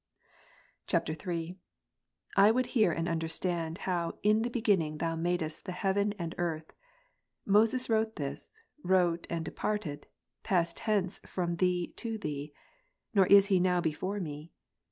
[III.] 5. I jtmild iiear and understand, how "In the Be ginnina; Thou madest the heaven and earth." Moses wrote this, wrote and departed, passed hence from Thee to Thee ; nor is he now before me.